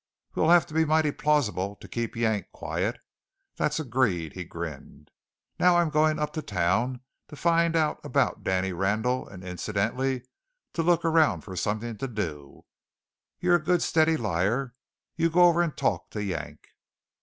We'll have to be mighty plausible to keep Yank quiet. That's agreed," he grinned. "Now I'm going up to town to find out about Danny Randall, and incidentally to look around for something to do. You're a good steady liar; you go over and talk to Yank."